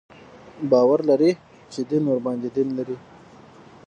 باور لري چې دین ورباندې دین لري.